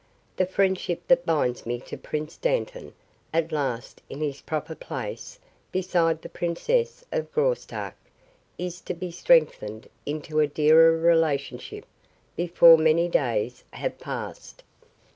The friendship that binds me to Prince Dantan, at last in his proper place beside the Princess of Graustark, is to be strengthened into a dearer relationship before many days have passed."